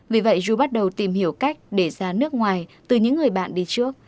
vì vậy dù bắt đầu tìm hiểu cách để ra nước ngoài từ những người bạn đi trước